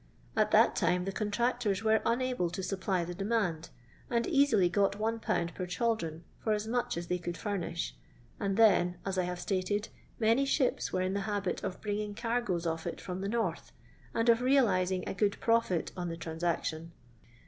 At that time the contractors were unable to supply the demand, and easily got 1^. per chaldron for as much as they could furnish, and then, as I have stated, many ships were in the habit of bringing cargoes of it from the North, and of realizing a good profit on the transaction.